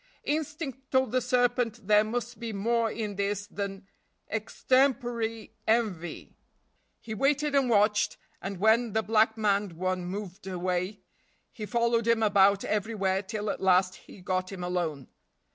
Instinct told the serpent there must be more in this than extempore envy. He waited and watched, and, when the black maned one moved away, he followed him about everywhere till at last he got him alone.